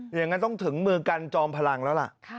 อย่างนั้นต้องถึงมือกันจอมพลังแล้วล่ะ